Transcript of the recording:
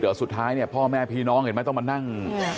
เดี๋ยวสุดท้ายเนี่ยพ่อแม่พี่น้องเห็นไหมต้องมานั่ง